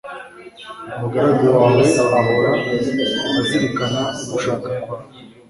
umugaragu wawe ahora azirikana ugushaka kwawe